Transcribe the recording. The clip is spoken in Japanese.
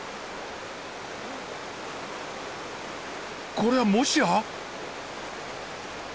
これはもしや？